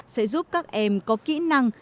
sẽ giúp các em có kỹ năng